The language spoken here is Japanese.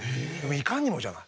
いかにもじゃない？